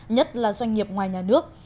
nhất là doanh nghiệp ngoài nhà nước